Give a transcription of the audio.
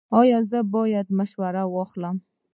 ایا زه باید مشوره واخلم؟